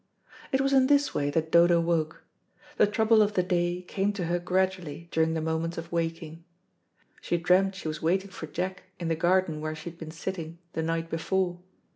It was in this way that Dodo woke. The trouble of the day came to her gradually during the moments of waking. She dreamed she was waiting for Jack in the garden where she had been sitting the night before.